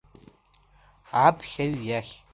Аԥхьаҩ иахь.